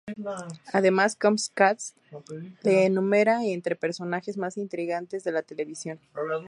Además, "Comcast" le enumera entre personajes más intrigantes de la televisión.